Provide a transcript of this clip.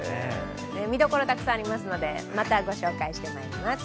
見どころたくさんありますのでまたご紹介してまいります。